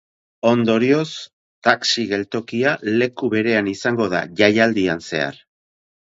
Ondorioz, taxi geltokia leku berean izango da jaialdian zehar.